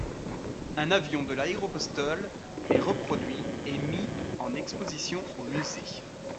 Un avion de l'Aéropostale est reproduit et mis en exposition au musée.